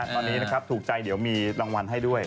ตอนนี้นะครับถูกใจเดี๋ยวมีรางวัลให้ด้วย